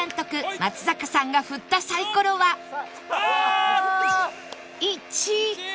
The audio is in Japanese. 松坂さんが振ったサイコロは１